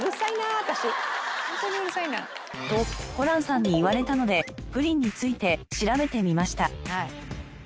ホントにうるさいな。とホランさんに言われたのでプリンについて調べてみました。